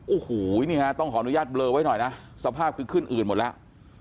โอ้โหนี่ฮะต้องขออนุญาตเบลอไว้หน่อยนะสภาพคือขึ้นอืดหมดแล้ว